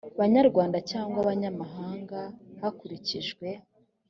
banyarwanda cyangwa abanyamahanga hakurikijwe